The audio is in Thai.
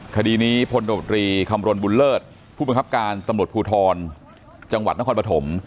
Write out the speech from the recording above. คดีนี้พลโดรีคำรณบุญเลิศผู้บังคับการตำรวจภูทรจังหวัดนครปฐม